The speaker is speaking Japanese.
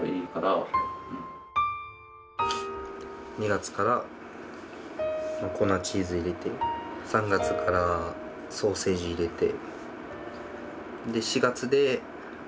２月から粉チーズ入れて３月からソーセージ入れて。